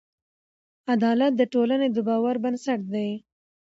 عدالت د ټولنې د باور بنسټ دی.